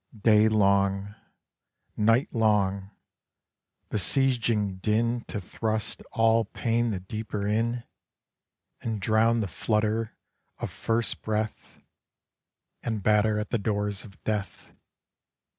Day long, night long, besieging din To thrust all pain the deeper in! And drown the flutter of first breath; And batter at the doors of Death.